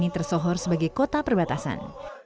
tersehor sebagai kota perbatasan